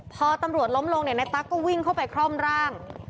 พอตำรวจล้มลงในตั๊กก็วิ่งเข้าไปคร่อมร่าง